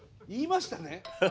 言いましたね？